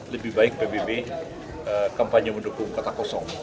lebih baik pbb kampanye mendukung kota kosong